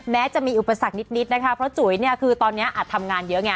แม้จะมีอุปสรรคนิดนะคะเพราะจุ๋ยเนี่ยคือตอนนี้อาจทำงานเยอะไง